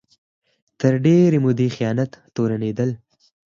تر ډېرې مودې خیانت تورنېدل